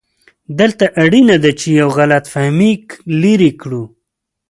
دلته اړینه ده چې یو غلط فهمي لرې کړو.